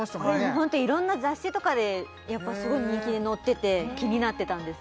ホントいろんな雑誌とかでやっぱすごい人気で載ってて気になってたんです